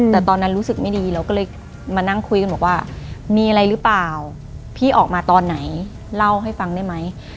แต่ตอนนั้นรู้สึกไม่ดีเราก็เลยมานั่งคุยกันบอกว่ามีอะไรหรือเปล่าพี่ออกมาตอนไหนเล่าให้ฟังได้ไหม